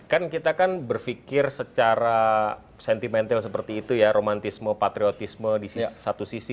kan kita kan berpikir secara sentimental seperti itu ya romantisme patriotisme di satu sisi